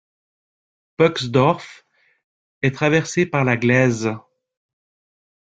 Poxdorf est traversé par la Gleise.